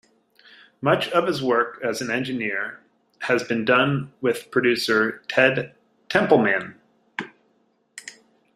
Much of his work as an engineer has been done with producer Ted Templeman.